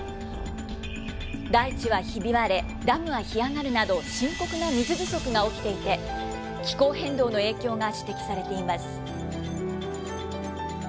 大地はひび割れ、ダムは干上がるなど、深刻な水不足が起きていて、気候変動の影響が指摘されています。